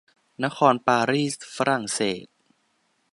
นครปารีสฝรั่งเศส